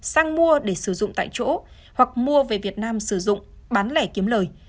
sang mua để sử dụng tại chỗ hoặc mua về việt nam sử dụng bán lẻ kiếm lời